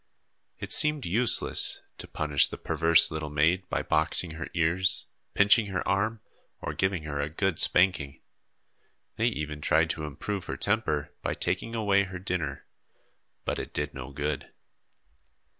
It seemed useless to punish the perverse little maid by boxing her ears, pinching her arm, or giving her a good spanking. They even tried to improve her temper by taking away her dinner, but it did no good.